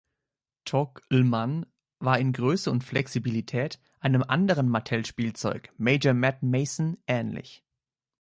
Tog'lman war in Größe und Flexibilität einem anderen Mattel-Spielzeug, Major Matt Mason, ähnlich.